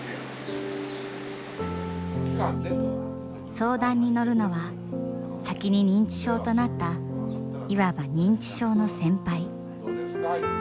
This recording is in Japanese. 相談に乗るのは先に認知症となったいわば認知症の先輩。